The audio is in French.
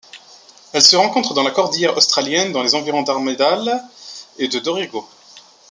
Elle se rencontre dans la Cordillère australienne dans les environs d'Armidale et de Dorrigo.